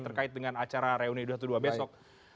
terkait dengan acara reuni dua ratus dua belas besok